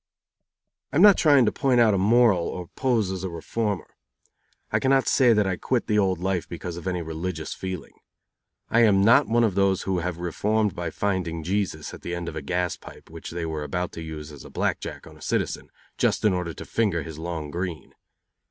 I am not trying to point a moral or pose as a reformer. I cannot say that I quit the old life because of any religious feeling. I am not one of those who have reformed by finding Jesus at the end of a gas pipe which they were about to use as a black jack on a citizen, just in order to finger his long green.